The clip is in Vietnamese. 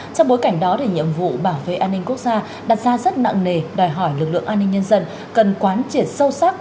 trong bối cảnh đó nhiệm vụ bảo vệ an ninh quốc gia đặt ra rất nặng nề đòi hỏi lực lượng an ninh nhân dân cần quán triệt sâu sắc